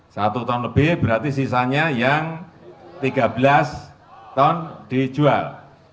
satu ton lebih berarti sisanya yang tiga belas ton dijual